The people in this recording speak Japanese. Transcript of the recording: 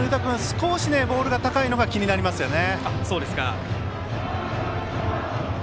少しボールが高いのが気になりますね。